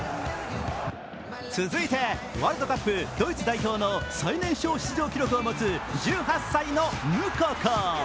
続いてワールドカップドイツ代表の最年少出場記録を持つ１８歳のムココ。